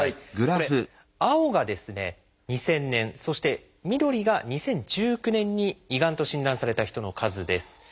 これ青が２０００年そして緑が２０１９年に胃がんと診断された人の数です。